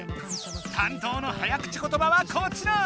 担当の早口ことばはこちら！